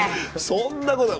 そんなことない。